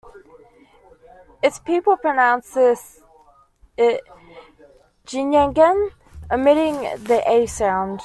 Its people pronounce it "Ginyangan" omitting the "a" sound.